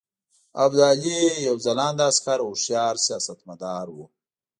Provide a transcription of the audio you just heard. ابدالي یو ځلانده عسکر او هوښیار سیاستمدار وو.